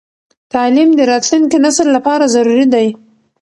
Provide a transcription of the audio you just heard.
تعليم د راتلونکي نسل لپاره ضروري دی.